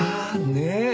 ねえ。